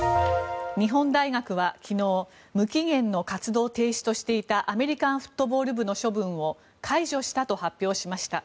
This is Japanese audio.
日本大学は昨日無期限の活動停止としていたアメリカンフットボール部の処分を解除したと発表しました。